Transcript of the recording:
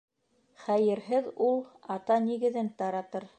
Хәйерһеҙ ул ата нигеҙен таратыр.